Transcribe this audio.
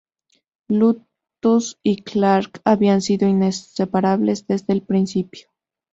Lotus y Clark habían sido inseparables desde el principio.